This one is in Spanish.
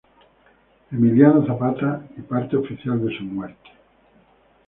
Emiliano Zapata y parte oficial de su muerte".